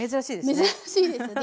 珍しいですね。